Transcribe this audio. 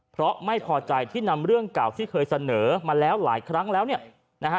เพราะไม่พอใจที่นำเรื่องเก่าที่เคยเสนอมาแล้วหลายครั้งแล้วเนี่ยนะฮะ